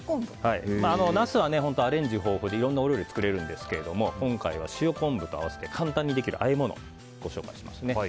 ナスはアレンジ豊富でいろいろなお料理を作れるんですけども今回は塩昆布と合わせて簡単にできるあえ物をご紹介します。